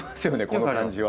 この感じは。